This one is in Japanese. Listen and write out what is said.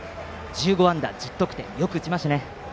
１５安打１０得点よく打ちましたね。